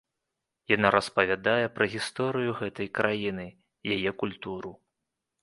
Яна распавядае пра гісторыю гэтай краіны, яе культуру.